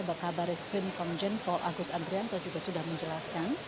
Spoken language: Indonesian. bakal baria skrim komjen paul agus andrianto juga sudah menjelaskan